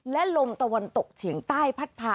และลมตะวันตกเฉียงใต้พัดพา